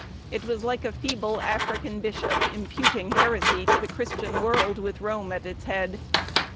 It was like a feeble African bishop imputing heresy to the Christian world, with Rome at its head.